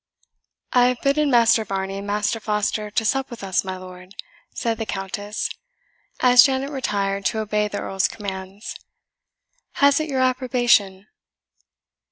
"I have bidden Master Varney and Master Foster to sup with us, my lord," said the Countess, as Janet retired to obey the Earl's commands; "has it your approbation?"